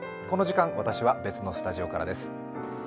この時間、私は別のスタジオからです。